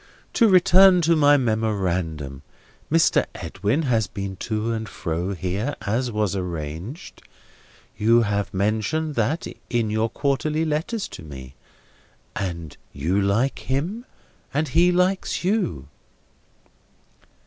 To return to my memorandum. Mr. Edwin has been to and fro here, as was arranged. You have mentioned that, in your quarterly letters to me. And you like him, and he likes you."